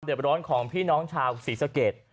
โดยเดือดเพราะร้อนของพี่น้องชาวสีสกรีด